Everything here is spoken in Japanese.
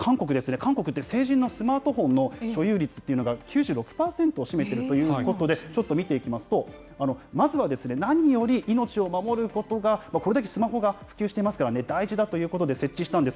韓国って、成人のスマートフォンの所有率というのが９６％を占めているということで、ちょっと見ていきますと、まずは、何より命を守ることが、これだけスマホが普及していますから大事だということで設置したんです。